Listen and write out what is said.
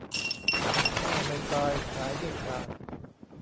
ฆ่าไม่ตายขายไม่ขาด